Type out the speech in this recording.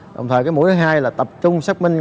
đồng thời cái mũi thứ hai là tập trung xác minh